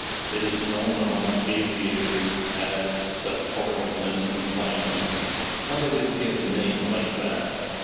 It is known among aviators as 'The Port of Missing Planes.'" "How did it get a name like that?"